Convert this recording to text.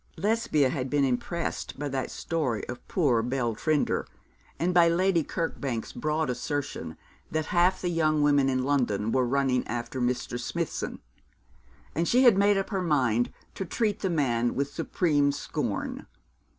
Lesbia had been impressed by that story of poor Belle Trinder and by Lady Kirkbank's broad assertion that half the young women in London were running after Mr. Smithson; and she had made up her mind to treat the man with supreme scorn.